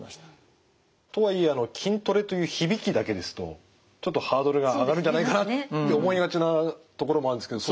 とはいえあの筋トレという響きだけですとちょっとハードルが上がるんじゃないかなって思いがちなところもあるんですけどその辺。